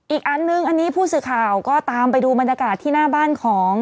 อีกอันนึงอันนี้ผู้สื่อข่าวก็ตามไปดูบรรยากาศที่หน้าบ้านของ